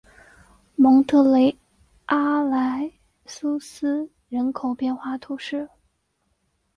蒙特雷阿莱苏斯人口变化图示